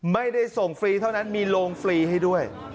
ไม่ได้ส่งฟรีเท่านั้นมีโรงฟรีให้ด้วย